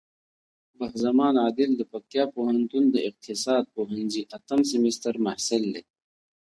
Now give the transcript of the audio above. بخت زمان عادل د پکتيا پوهنتون د اقتصاد پوهنځی اتم سمستر محصل دی.